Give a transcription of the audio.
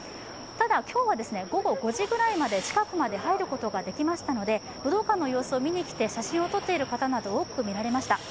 ただ、今日は午後５時ぐらいまで、近くまで入ることができましたので、武道館の様子を見にてきて、写真を撮っていかれる方が多く見られました。